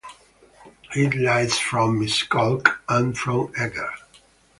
It lies from Miskolc and from Eger.